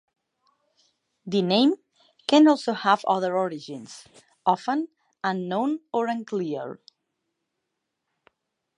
The name can also have other origins, often unknown or unclear.